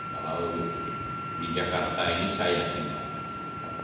kalau di jakarta ini saya yang tinggal